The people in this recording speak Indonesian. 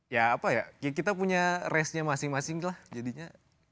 ya apa ya kita punya race nya masing masing lah jadinya